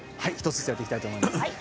１つずつやっていきたいと思います。